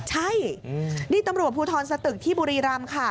ใช่นี่ตำรวจภูทรสตึกที่บุรีรำค่ะ